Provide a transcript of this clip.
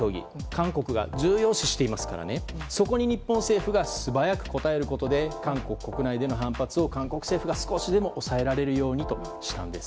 韓国が重要視していますからそこに、日本政府が素早く応えることで韓国国内での反発を韓国政府が少しでも抑えられるようにしたんです。